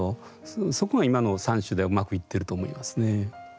そこが今の３首ではうまくいってると思いますね。